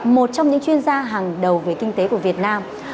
một trong những chuyên gia hàng đầu về kinh tế của việt nam